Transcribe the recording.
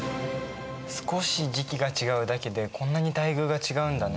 少し時期が違うだけでこんなに待遇が違うんだね。